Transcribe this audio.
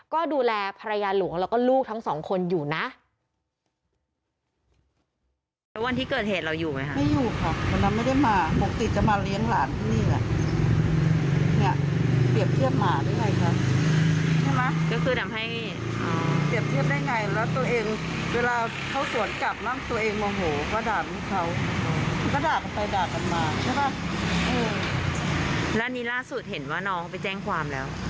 ก็ดูแลภรรยาหลวงแล้วก็ลูกทั้งสองคนอยู่นะ